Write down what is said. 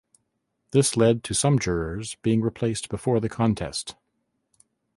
This led to some jurors being replaced before the contest.